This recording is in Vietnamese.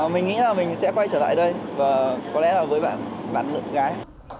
mình nghĩ là mình sẽ quay trở lại đây và có lẽ là với bạn nữ gái